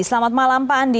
selamat malam pak andi